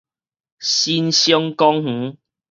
新生公園